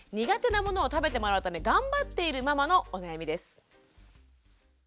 苦手なものを食べてもらうために頑張っているママのお悩みです。